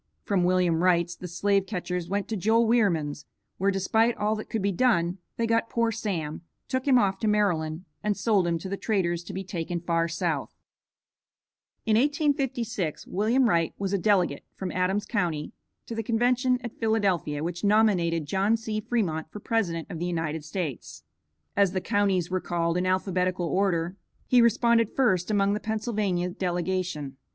From William Wright's the slave catchers went to Joel Wierman's, where, despite all that could be done, they got poor Sam, took him off to Maryland and sold him to the traders to be taken far south. In 1856 William Wright was a delegate from Adams county to the Convention at Philadelphia which nominated John C. Fremont for President of the United States. As the counties were called in alphabetical order, he responded first among the Pennsylvania delegation.